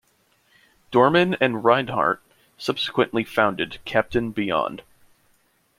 Dorman and Reinhardt subsequently founded Captain Beyond.